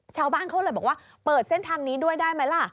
ชาวบ้านเขาเลยบอกว่าเปิดเส้นทางนี้ด้วยได้ไหมล่ะ